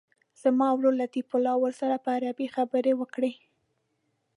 زما ورور لطیف الله ورسره په عربي خبرې وکړي.